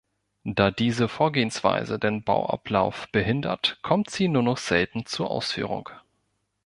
Da diese Vorgehensweise den Bauablauf behindert, kommt sie nur noch selten zur Ausführung.